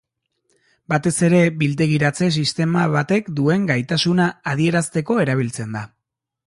Batez ere biltegiratze sistema batek duen gaitasuna adierazteko erabiltzen da.